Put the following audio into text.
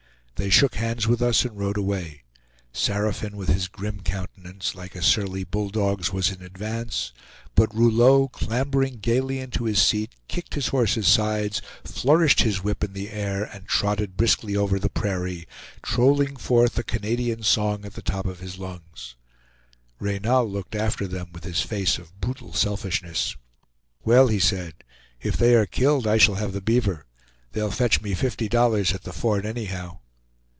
They shook hands with us and rode away; Saraphin with his grim countenance, like a surly bulldog's, was in advance; but Rouleau, clambering gayly into his seat, kicked his horse's sides, flourished his whip in the air, and trotted briskly over the prairie, trolling forth a Canadian song at the top of his lungs. Reynal looked after them with his face of brutal selfishness. "Well," he said, "if they are killed, I shall have the beaver. They'll fetch me fifty dollars at the fort, anyhow."